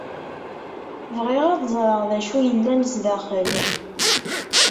Bɣiɣ ad ẓreɣ d acu ay yellan sdaxel.